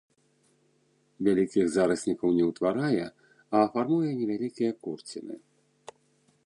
Вялікіх зараснікаў не ўтварае, а фармуе невялікія курціны.